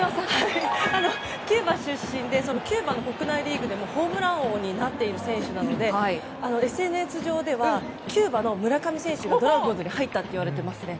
キューバ出身でキューバの国内リーグでもホームラン王になっている選手なのでＳＮＳ上ではキューバの村上選手がドラゴンズに入ったといわれていますね。